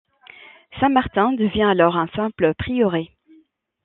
Saint-Martin devient alors un simple prieuré.